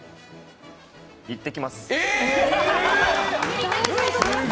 いってきます。